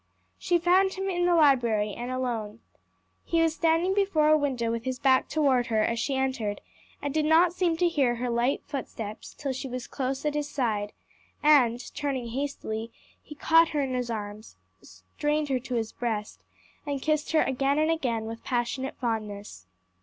She found him in the library, and alone. He was standing before a window with his back toward her as she entered, and did not seem to hear her light footsteps till she was close at his side; then turning hastily, he caught her in his arms, strained her to his breast, and kissed her again and again with passionate fondness.